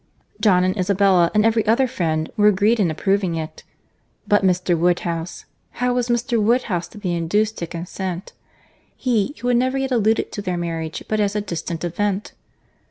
—John and Isabella, and every other friend, were agreed in approving it. But Mr. Woodhouse—how was Mr. Woodhouse to be induced to consent?—he, who had never yet alluded to their marriage but as a distant event.